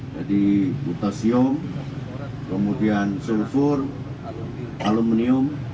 jadi potasium kemudian sulfur aluminium